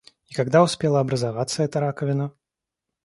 И когда успела образоваться эта раковина?